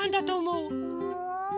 うん。